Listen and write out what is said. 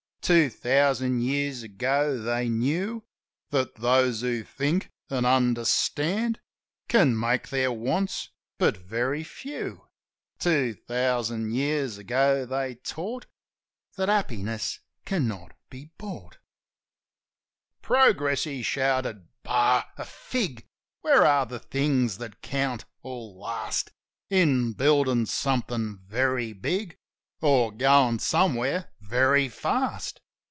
"Two thousand years ago they knew That those who think an' understand Can make their wants but very few. Two thousand years ago they taught That happiness can not be bought." 52 JIM OF THE HILLS "Progress?" he shouted. "Bah! A fig! Where are the things that count or last In building something very big Or goin' somewhere very fast?